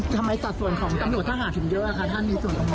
ทำไมส่วนของตำหนดทหารถึงเยอะอ่ะค่ะท่านมีส่วนตรงนี้